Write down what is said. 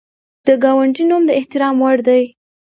د ګاونډي نوم د احترام وړ دی